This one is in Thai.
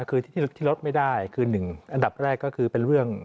คือที่ลดไม่ได้คือหนึ่งอันดับแรกก็คือเป็นเรื่อง